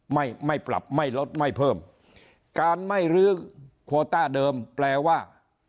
ไม่ไม่ปรับไม่ลดไม่เพิ่มการไม่รื้อโควต้าเดิมแปลว่า